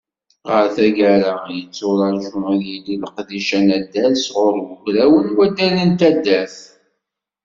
Ɣer taggara, yetturaǧu ad yili leqdic anaddal sɣur Ugraw n waddal n taddart.